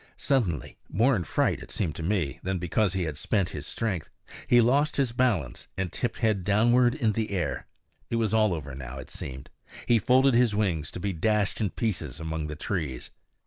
Suddenly more in fright, it seemed to me, than because he had spent his strength he lost his balance and tipped head downward in the air. It was all over now, it seemed; he folded his wings to be dashed in pieces among the trees.